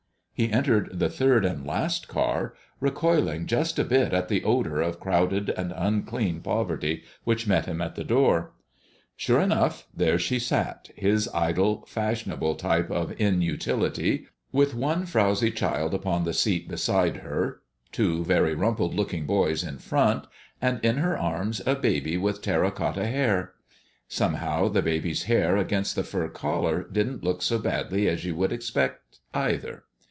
He entered the third and last car, recoiling just a bit at the odor of crowded and unclean poverty which met him at the door. Sure enough, there she sat his idle, fashionable type of inutility with one frowsy child upon the seat beside her, two very rumpled looking boys in front, and in her arms a baby with terra cotta hair. Somehow, the baby's hair against the fur collar didn't look so badly as you would expect, either.